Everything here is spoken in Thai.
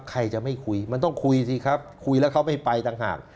ใครจะไม่คุยมันต้องคุยสิครับคุยแล้วเขาไม่ไปต่างหาก